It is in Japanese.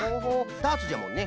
ダーツじゃもんね。